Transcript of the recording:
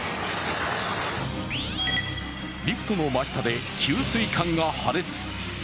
リフトの真下で給水管が破裂。